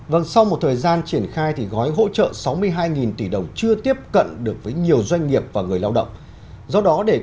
vâng sau một thời gian triển khai thì gói hỗ trợ sáu mươi hai tỷ đồng chưa tiếp cận được với nhiều doanh nghiệp và người lao động